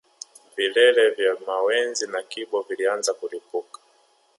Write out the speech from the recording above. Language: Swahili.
Vilele vya mawenzi na kibo vilianza kulipuka